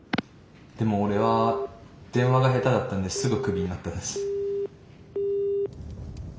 でも俺は電話が下手だったんですぐクビになったんです。